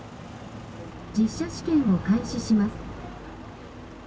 「実車試験を開始します」。